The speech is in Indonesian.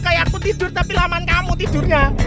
kayak aku tidur tapi laman kamu tidurnya